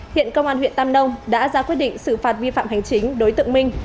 hiện công an huyện tam nông đã ra quyết định xử phạt vi phạm hành chính đối tượng minh